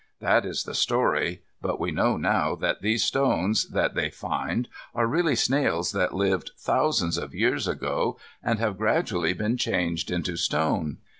That is the story, but we know now that these stones that they find are really snails that lived thousands of years ago, and have gradually been changed into stone.